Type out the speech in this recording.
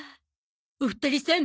お二人さん